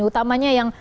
yang utamanya yang